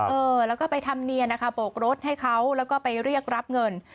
เออแล้วก็ไปทำเนียนนะคะโบกรถให้เขาแล้วก็ไปเรียกรับเงิน